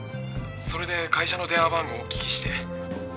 それで会社の電話番号をお聞きして。